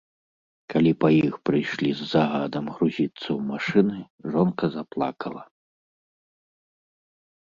Калі па іх прыйшлі з загадам грузіцца ў машыны, жонка заплакала.